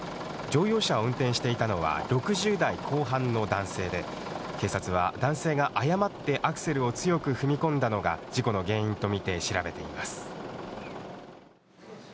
乗用車を運転していたのは６０代後半の男性で、警察は、男性が誤ってアクセルを強く踏み込んだのが事故の原因と見て調べています。